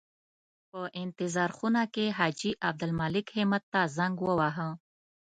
په انتظار خونه کې حاجي عبدالمالک همت ته زنګ وواهه.